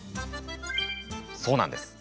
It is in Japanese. そうなんです。